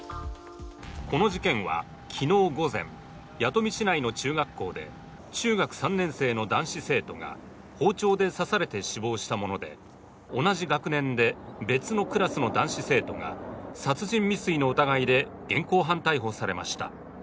この事件は昨日午前弥富市内の中学校で中学３年生の男子生徒が包丁で刺されて死亡したもので同じ学年で別のクラスの男子生徒が殺人未遂の疑いで現行犯逮捕されました。